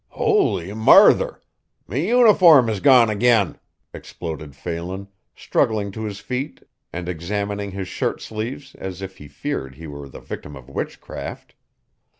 "Howly murther! me uniform is gone again!" exploded Phelan, struggling to his feet and examining his shirt sleeves as if he feared he were the victim of witchcraft.